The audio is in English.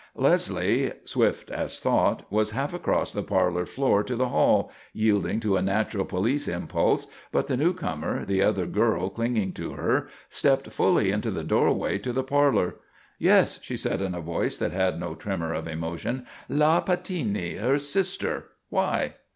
_" Leslie, swift as thought, was half across the parlour floor to the hall, yielding to a natural police impulse, but the newcomer, the other girl clinging to her, stepped fully into the doorway to the parlour. "Yes," she said in a voice that had no tremour of emotion, "La Pattini. Her sister. Why?"